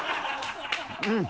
うん。